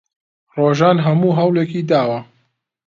ڕۆژان هەموو هەوڵێکی داوە.